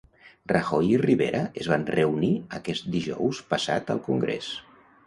Rajoy i Rivera es van reunir aquest dijous passat al Congrés.